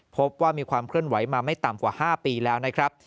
พบว่ามีความเคลื่อนไหวมาไม่ต่ำกว่า๕ปีแล้วนะครับ